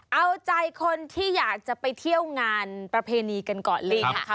เอาใจคนที่อยากจะไปเที่ยวงานประเพณีกันก่อนเลยนะคะ